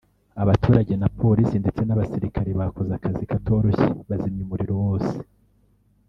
abaturage na Polisi ndetse n’abasirikari bakoze akazi katoroshye bazimya umuriro wose